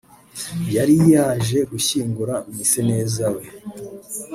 yari yaje gushyingura mwiseneza we